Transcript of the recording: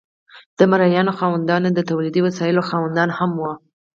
د مرئیانو خاوندان د تولیدي وسایلو خاوندان هم وو.